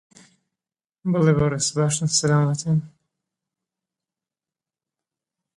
دەترسم هەڵە بکەم.